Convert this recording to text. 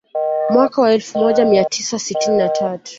Mwaka wa elfu moja mia tisa sitini na tatu